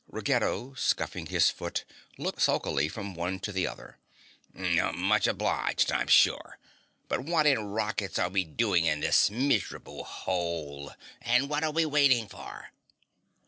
Ruggedo scuffing his foot, looked sulkily from one to the other. "Much obliged, I'm sure. But what in rockets are we doing in this miserable hole and what are we waiting for?"